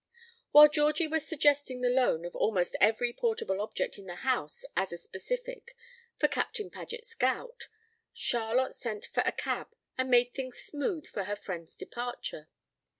While Georgy was suggesting the loan of almost every portable object in the house as a specific for Captain Paget's gout, Charlotte sent for a cab and made things smooth for her friend's departure.